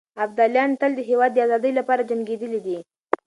ابداليان تل د هېواد د ازادۍ لپاره جنګېدلي دي.